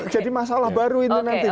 jadi masalah baru ini nanti